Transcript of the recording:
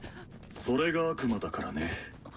それが「悪魔」だからね。